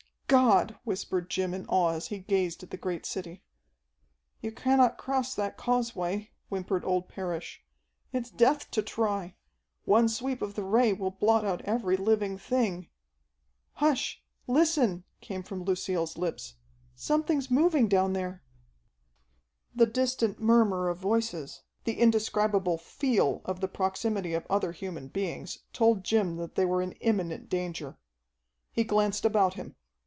"God!" whispered Jim in awe as he gazed at the great city. "You cannot cross that causeway," whimpered old Parrish. "It's death to try. One sweep of the Ray will blot out every living thing." "Hush! Listen!" came from Lucille's lips. "Something's moving down there!" The distant murmur of voices, the indescribable "feel" of the proximity of other human beings told Jim that they were in imminent danger. He glanced about him.